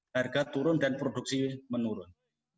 harga turun dan produksi menurun